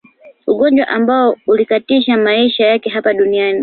Ugonjwa ambao uliyakatisha maisha yake hapa duniani